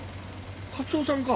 勝夫さんか。